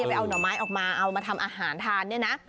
ไปเอาหน่อไม้ออกมาเอามาทำอาหารทานเนี่ยนะ